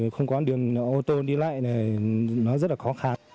không có đường ô tô đi lại này nó rất là khó khăn